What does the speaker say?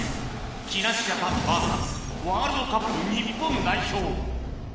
木梨ジャパン ＶＳ ワールドカップ日本代表